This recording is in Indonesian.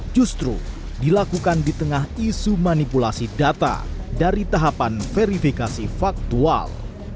justru dilakukan di tengah isu manipulasi data dari tahapan verifikasi faktual